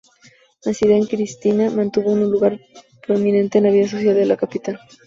Nacida en Christiania, mantuvo un "lugar prominente en la vida social de la capital".